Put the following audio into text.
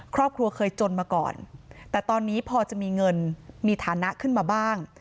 ครอบครัวเคยจนมาก่อนแต่ตอนนี้พอจะมีเงินมีฐานะขึ้นมาบ้าง